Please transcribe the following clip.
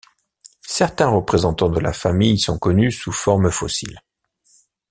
Certains représentants de la famille sont connus sous forme fossile.